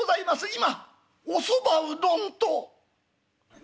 今『おそばうどん』と」。